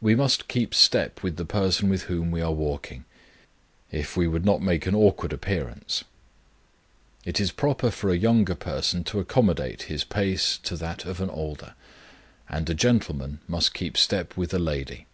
We must keep step with the person with whom we are walking, if we would not make an awkward appearance. It is proper for a younger person to accommodate his pace to that of an older, and a gentleman must keep step with a lady.